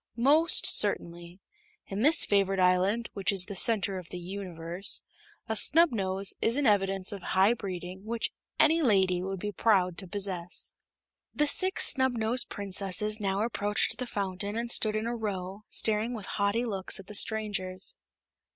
"Most certainly. In this favored island, which is the Center of the Universe, a snubnose is an evidence of high breeding which any lady would be proud to possess." The Six Snubnosed Princesses now approached the fountain and stood in a row, staring with haughty looks at the strangers.